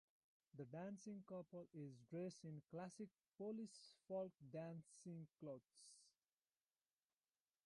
This dancing couple is dressed in classic Polish folk dancing clothes.